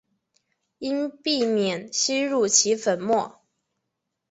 应避免吸入其粉末。